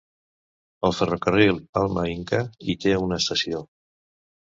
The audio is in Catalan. El ferrocarril Palma-Inca hi té una estació.